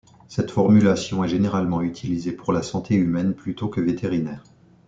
Cette formulation est généralement utilisée pour la santé humaine plutôt que vétérinaire.